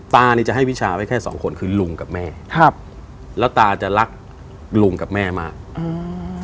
ตานี่จะให้พี่ชายไว้แค่๒คนคือลุงกับแม่แล้วตาจะรักลุงกับแม่มาก